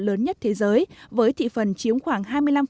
lớn nhất thế giới với thị phần chiếm khoảng